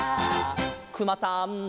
「くまさんの」